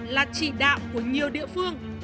là trị đạo của nhiều địa phương